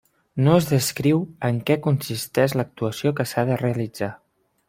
No es descriu en què consisteix l'actuació que s'ha de realitzar.